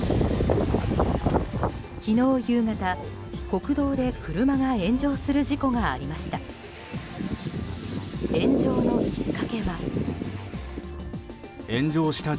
昨日夕方、国道で車が炎上する事故がありました。